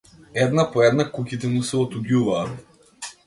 Една по една куќите му се отуѓуваат.